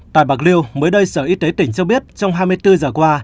tại bạc liêu mới đây sở y tế tỉnh cho biết trong hai mươi bốn giờ qua